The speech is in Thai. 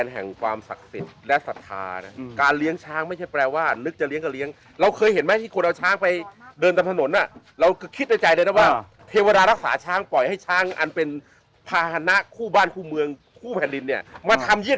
เห็นบอกที่นี่มีศิลป์ศักดิ์สิทธิ์อีกที่หนึ่งอยู่ข้างมาเลย